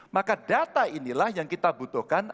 maka data inilah yang kita butuhkan